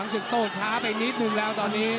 ศึกโต้ช้าไปนิดนึงแล้วตอนนี้